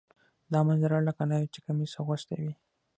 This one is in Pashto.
دا منظره لکه ناوې چې کمیس اغوستی وي.